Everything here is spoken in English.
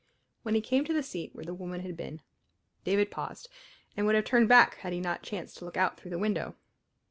When he came to the seat where the woman had been, David paused, and would have turned back had he not chanced to look out through the window.